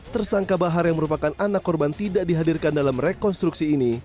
tersangka bahar yang merupakan anak korban tidak dihadirkan dalam rekonstruksi ini